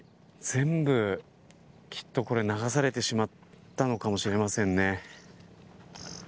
全部、きっとこれ、流されてしまったのかもしれませんね。